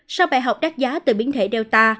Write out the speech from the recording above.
sau bài học đắt giá từ biến thể delta